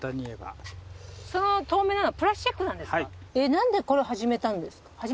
何でこれを始めたんですか？